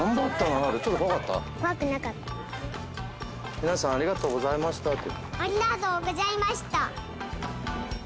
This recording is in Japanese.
「皆さんありがとうございました」って。